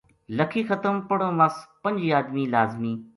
لَکھی ختم پڑھن وس پنجی ادمی لازمی